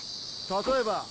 例えば？